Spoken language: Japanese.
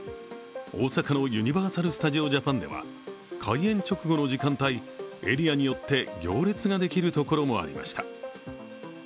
大阪のユニバーサル・スタジオ・ジャパンでは開演直後の時間帯、エリアによって行列ができるところもありました。